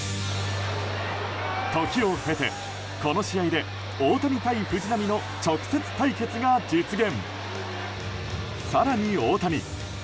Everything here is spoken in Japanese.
時を経て、この試合で大谷対藤浪の直接対決が実現！